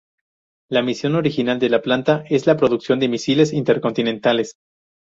La misión original de la planta es la producción de misiles intercontinentales.